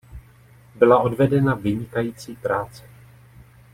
Byla odvedena vynikající práce.